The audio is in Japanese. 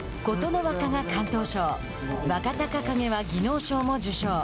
琴ノ若が敢闘賞若隆景は技能賞も受賞